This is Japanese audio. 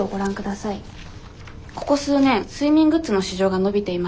ここ数年睡眠グッズの市場が伸びていまして